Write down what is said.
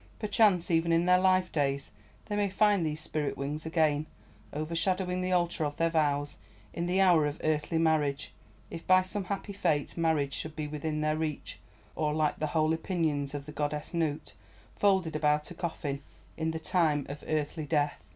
Perchance even in their life days, they may find these spirit wings again, overshadowing the altar of their vows in the hour of earthly marriage, if by some happy fate, marriage should be within their reach, or like the holy pinions of the goddess Nout, folded about a coffin, in the time of earthly death.